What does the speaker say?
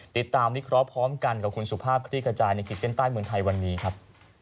ติดตามวิเคราะห์พร้อมกันกับคุณสุภาพคลี่ขจายในขีดเส้นใต้เมืองไทยวันนี้ครับ